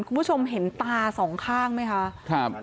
คุณผู้ชมเห็นตาสองข้างไหมคะครับ